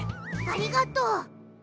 ありがとう！